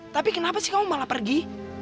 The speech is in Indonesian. tapi kenapa sih kamu malah pergi